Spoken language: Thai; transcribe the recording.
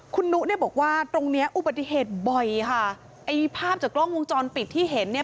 คุณนุเนี่ยบอกว่าตรงเนี้ยอุบัติเหตุบ่อยค่ะไอ้ภาพจากกล้องวงจรปิดที่เห็นเนี่ย